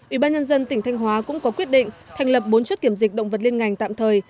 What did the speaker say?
ủy ban nhân dân tỉnh thanh hóa cũng có quyết định thành lập bốn chốt kiểm dịch động vật liên ngành tạm thời